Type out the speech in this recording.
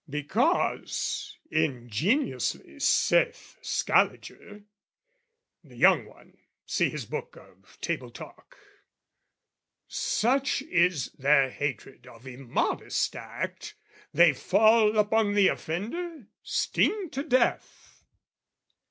Because, ingeniously saith Scaliger, (The young one see his book of Table talk) "Such is their hatred of immodest act, "They fall upon the offender, sting to death."